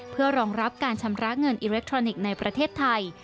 เพื่อรองรับการชำระเงินอิเล็กทรอนิกส์ในประเทศไทย